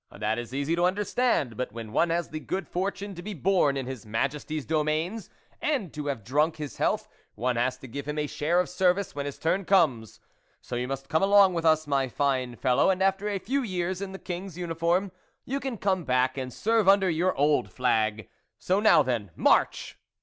That is easy to understand ; but when one has the good fortune to be born in his Majesty's domains and to have drunk his health, one has to give him a share of service, when his turn comes. So you must come along with us, my fine fellow, and after a few years in the King's uniform, you can come back and serve under your old flag. So, now then, march!